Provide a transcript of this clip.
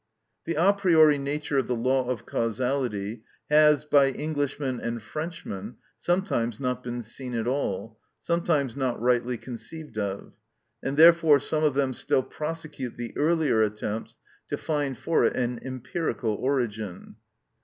The a priori nature of the law of causality has, by Englishmen and Frenchmen, sometimes not been seen at all, sometimes not rightly conceived of; and therefore some of them still prosecute the earlier attempts to find for it an empirical origin.